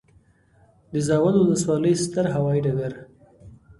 د زاول وسلوالی ستر هوایي ډګر